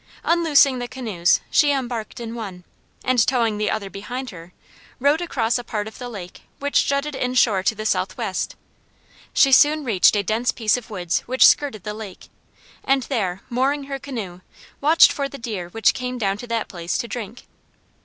Unloosing the canoes, she embarked in one, and towing the other behind her, rowed across a part of the lake which jutted in shore to the southwest; she soon reached a dense piece of woods which skirted the lake, and there mooring her canoe, watched for the deer which came down to that place to drink.